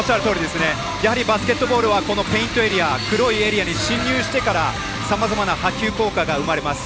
やはりバスケットボールはペイントエリア黒いエリアに進入してからさまざまな波及効果が生まれます。